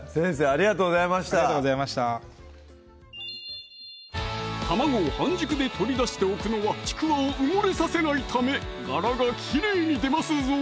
ありがとうございました卵を半熟で取り出しておくのはちくわを埋もれさせないため柄がきれいに出ますぞ